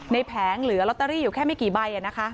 แผงเหลือลอตเตอรี่อยู่แค่ไม่กี่ใบ